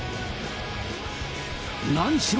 何しろ